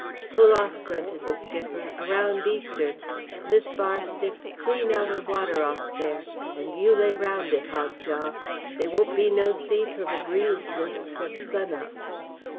"Pull off," grunted the skipper, "around east'ard. This bar sticks clean out o' water off there, and you lay around it, Hogjaw. They won't be no sea 'til the breeze lifts at sunup."